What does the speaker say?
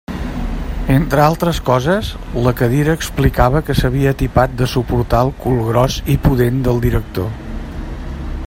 Entre altres coses, la cadira explicava que s'havia atipat de suportar el cul gros i pudent del director.